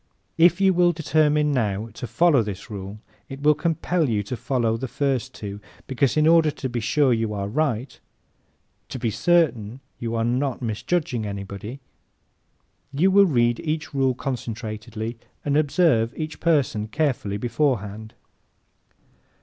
If you will determine now to follow this rule it will compel you to follow the first two because, in order to be sure you are right, to be certain you are not misjudging anybody, you will read each rule concentratedly and observe each person carefully beforehand.